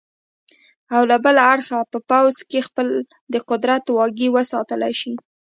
او له بله اړخه به پوځ هم خپل د قدرت واګې وساتلې شي.